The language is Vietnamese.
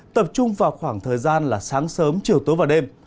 tập trung vào khoảng thời gian là sáng sớm chiều tối và đêm